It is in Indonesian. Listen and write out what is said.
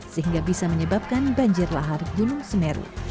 sehingga bisa menyebabkan banjir lahar gunung semeru